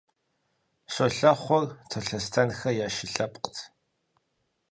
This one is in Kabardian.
Щолэхъур Талъостэнхэ я шы лъэпкът.